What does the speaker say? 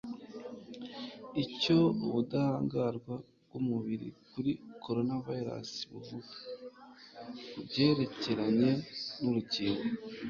Icyo ubudahangarwa bw'umubiri kuri coronavirus buvuga kubyerekeranye nurukingo